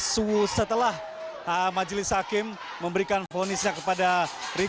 setelah majelis hakim memberikan fonisnya kepada richard eliezer tanpa dikomando